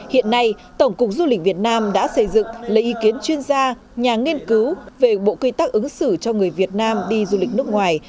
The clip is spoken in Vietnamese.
hiện nay tổng cục du lịch việt nam đã xây dựng lấy ý kiến chuyên gia nhà nghiên cứu về bộ quy tắc ứng xử cho người việt nam đi du lịch nước ngoài